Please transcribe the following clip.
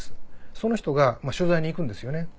その人が取材に行くんですよね。